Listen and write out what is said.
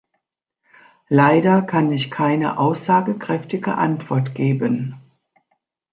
Leider kann ich keine aussagekräftige Antwort geben.